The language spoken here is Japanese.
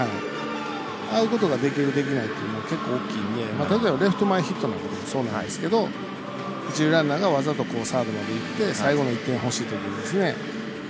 ああいうことができるできないって結構、大きいんで例えばレフト前ヒットなんかもそうなんですけど一塁ランナーがわざと三塁に行って最後の１点欲しいときにですね。